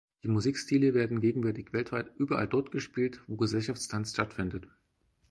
Diese Musikstile werden gegenwärtig weltweit überall dort gespielt, wo Gesellschaftstanz stattfindet.